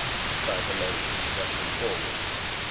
cried the lady, rushing forward.